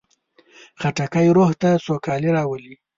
خټکی روح ته سوکالي راولي.